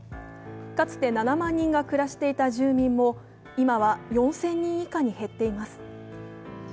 かつて７万人が暮らしていた住民も今は４０００人以下に減っています。